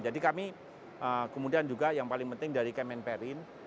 jadi kami kemudian juga yang paling penting dari kemen perin